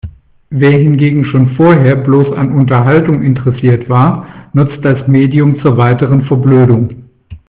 Wer hingegen schon vorher bloß an Unterhaltung interessiert war, nutzt das Medium zur weiteren Verblödung.